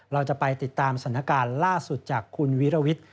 เราจะไปติดตามสถานการณ์ล่าสุดจากคุณวิรวิทย์